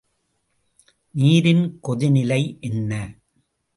நீரின் கொதிநிலை என்ன?